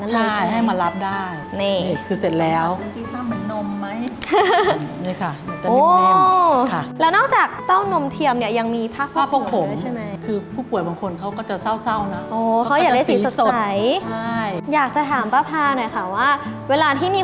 จะแจกให้ที่โรงพยาบาลนั้นเลยใช่ไหม